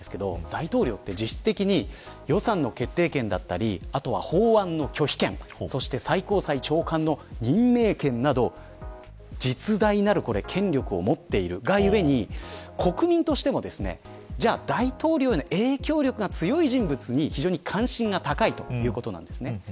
大統領は実質的に予算の決定権やあとは法案の拒否権そして最高裁長官の任命権など実大なる権力を持っているがゆえに国民としても大統領への影響力が強い人物に非常に関心が高いということなんです。